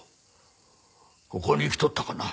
ここに来とったかな。